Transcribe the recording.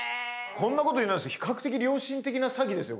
こんなこと言うのあれなんですけど比較的良心的な詐欺ですよ